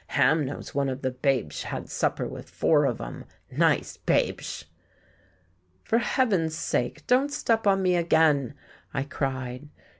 Ham knows one of the Babesh had supper with four of 'em. Nice Babesh!" "For heaven's sake don't step on me again!" I cried.